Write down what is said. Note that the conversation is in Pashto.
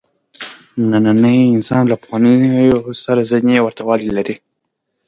نننی انسان له پخوانیو سره ځینې ورته والي لري.